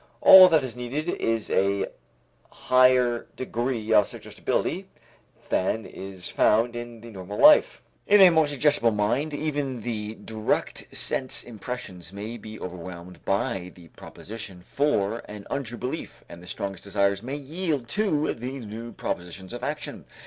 All that is needed is a higher degree of suggestibility than is found in the normal life. In a more suggestible mind even the direct sense impressions may be overwhelmed by the proposition for an untrue belief and the strongest desires may yield to the new propositions of action.